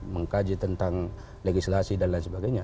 mengkaji tentang legislasi dan lain sebagainya